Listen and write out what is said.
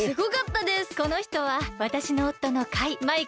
このひとはわたしのおっとのカイ。